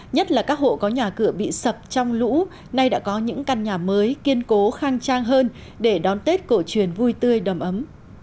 nhất là các hộ có nhà cửa bị sập trong lũ nay đã có những căn nhà mới kiên cố khang trang hơn để đón tết cổ truyền vui tươi đầm ấm